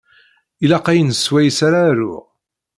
Ilaq ayen swayes ara aruɣ.